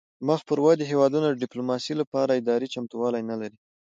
مخ پر ودې هیوادونه د ډیپلوماسي لپاره اداري چمتووالی نلري